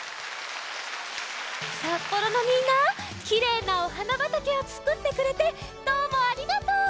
札幌のみんなきれいなお花ばたけをつくってくれてどうもありがとう！